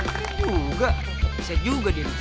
bisa juga bisa juga deh